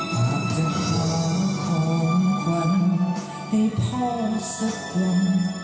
หากจะหาของขวัญให้พ่อสักคน